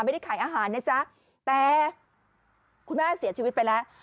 ไม่ได้ขายอาหารนะจ๊ะแต่คุณแม่เสียชีวิตไปแล้ว